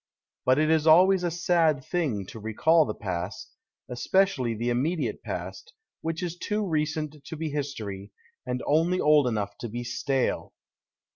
But it is always a sad thing to recall the past, especially the immediate past, which is too recent to be history and only old enough to be stale.